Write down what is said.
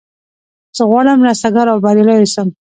زه غواړم رستګار او بریالی اوسم.